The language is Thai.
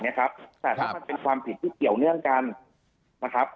แต่ถ้ามันเป็นความผิดที่เกี่ยวเนื่องกันนะครับ